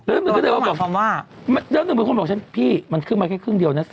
แล้วมันก็เลยว่ามันก็หมายความว่าแล้วหนึ่งคนบอกฉันพี่มันขึ้นมาแค่ครึ่งเดียวนะ